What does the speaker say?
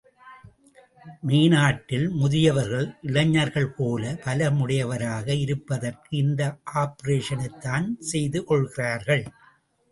மேனாட்டில் முதியவர்கள் இளைஞர்கள் போல பல முடையவராக இருப்பதற்காக இந்த ஆப்பரேஷனைத் தான் செய்து கொள்கிறார்கள்.